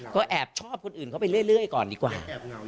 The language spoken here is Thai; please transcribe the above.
ก็แอบชอบคนอื่นเข้าไปเรื่อยก่อนดีกว่า